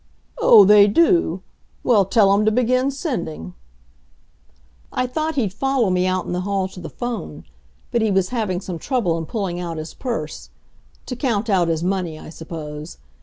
"Oh, they do! Well, tell 'em to begin sending." I thought he'd follow me out in the hall to the 'phone, but he was having some trouble in pulling out his purse to count out his money, I suppose.